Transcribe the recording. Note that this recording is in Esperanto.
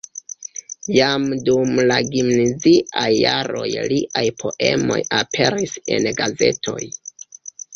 Jam dum la gimnaziaj jaroj liaj poemoj aperis en gazetoj.